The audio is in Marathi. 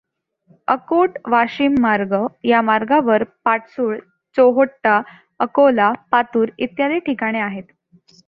अकोट वाशीम मार्ग या मार्गावर पाटसूळ, चोहट्टा, अकोला, पातूर इत्यादी ठिकाणे आहेत.